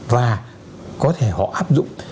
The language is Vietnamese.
và có thể họ áp dụng